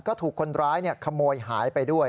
ก็ถูกคนร้ายขโมยหายไปด้วย